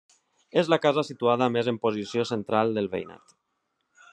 És la casa situada més en posició central del veïnat.